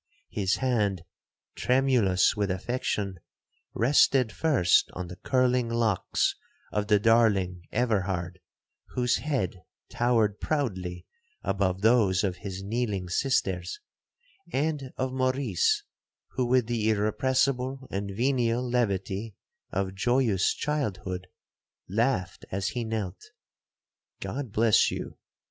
His hand, tremulous with affection, rested first on the curling locks of the darling Everhard, whose head towered proudly above those of his kneeling sisters, and of Maurice, who, with the irrepressible and venial levity of joyous childhood, laughed as he knelt. 'God bless you!'